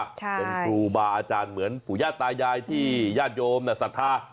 เป็นครูบาอาจารย์เหมือนปู่ย่าตายายที่ญาติโยมศรัทธา